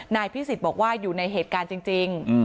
นายพิสิทธิ์บอกว่าอยู่ในเหตุการณ์จริง